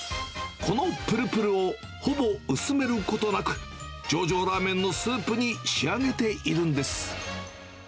このぷるぷるを、ほぼ薄めることなく、上々ラーメンのスープに仕上げているんです。